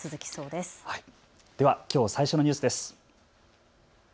では、きょう最初のニュースです。